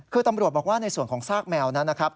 คือตำรวจบอกว่าในส่วนของซากแมวนั้นนะครับ